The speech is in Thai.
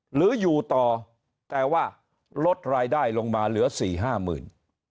หรืออยู่ต่อแต่ว่าลดรายได้ลงมาเหลือสี่ห้าหมื่น